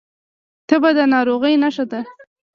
تبه د ناروغۍ نښه ده